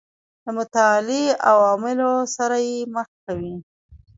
له متعالي عوالمو سره یې مخ کوي.